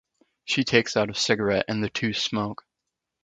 She takes out a cigarette and the two smoke.